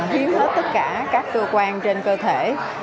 hiếm hết tất cả các cơ quan trên cơ thể